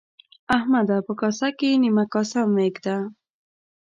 احمده! په کاسه کې نيمه کاسه مه اېږده.